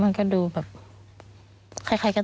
มันจอดอย่างง่ายอย่างง่ายอย่างง่าย